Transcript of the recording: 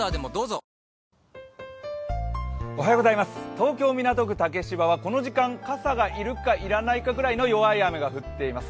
東京・港区竹芝はこの時間、傘が要るか要らないかくらいの雨が降っています。